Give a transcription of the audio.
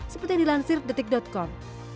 seperti yang dilansir detik com